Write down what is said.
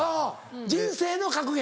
人生の格言？